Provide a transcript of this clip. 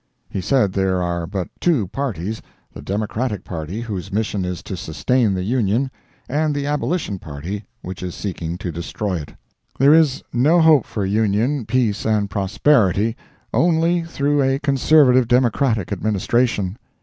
He said there are but two parties—the Democratic party, whose mission is to sustain the Union, and the Abolition party, which is seeking to destroy it. There is no hope for Union, peace and prosperity, only through a Conservative Democratic Administration.